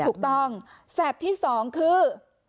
ถูกต้องแสบที่๒คือ